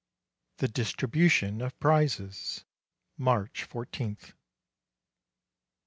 THE DISTRIBUTION OF PRIZES March I4th.